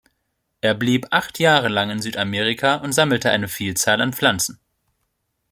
Er blieb acht Jahre lang in Südamerika und sammelte eine Vielzahl an Pflanzen.